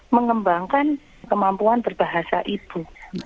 mengembangkan kemampuan berbahasa ibu